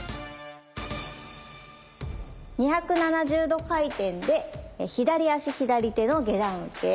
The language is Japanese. ２７０度回転で左足左手の下段受け。